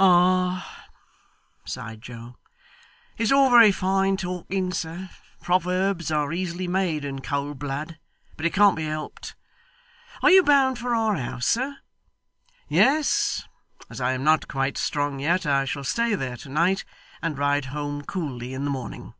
'Ah!' sighed Joe. 'It's all very fine talking, sir. Proverbs are easily made in cold blood. But it can't be helped. Are you bound for our house, sir?' 'Yes. As I am not quite strong yet, I shall stay there to night, and ride home coolly in the morning.